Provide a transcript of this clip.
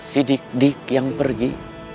si dik dik yang pergi